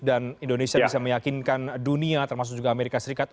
dan indonesia bisa meyakinkan dunia termasuk juga amerika serikat